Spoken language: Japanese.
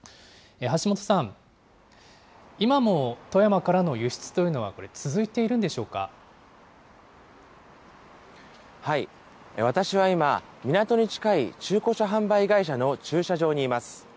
橋本さん、今も富山からの輸出というのは、私は今、港に近い中古車販売会社の駐車場にいます。